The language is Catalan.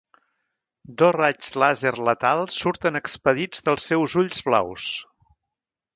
Dos raigs làser letals surten expedits dels seus ulls blaus.